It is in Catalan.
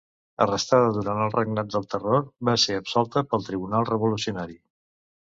Arrestada durant el Regnat del Terror va ser absolta pel Tribunal revolucionari.